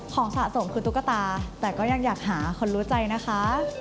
สะสมคือตุ๊กตาแต่ก็ยังอยากหาคนรู้ใจนะคะ